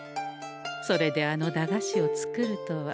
それであの駄菓子を作るとは。